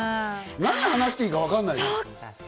何話していいかわかんない。